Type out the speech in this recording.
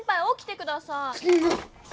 おきてください！